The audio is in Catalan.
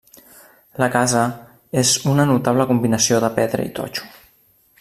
La casa és una notable combinació de pedra i totxo.